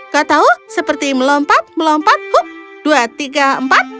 kau tahu seperti melompat melompat hook dua tiga empat